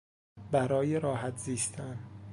برای راحت زیستن